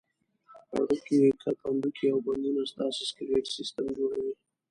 هډوکي، کرپندوکي او بندونه ستاسې سکلېټ سیستم جوړوي.